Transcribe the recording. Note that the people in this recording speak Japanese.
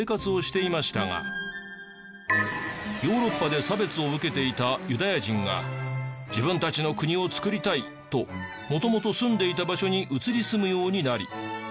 ヨーロッパで差別を受けていたユダヤ人が自分たちの国をつくりたいと元々住んでいた場所に移り住むようになり。